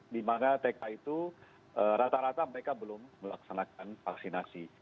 di mana tk itu rata rata mereka belum melaksanakan vaksinasi